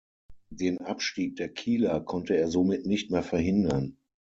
Den Abstieg der Kieler konnte er somit nicht mehr verhindern.